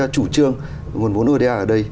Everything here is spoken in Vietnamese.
chủ trương nguồn vốn ô đa ở đây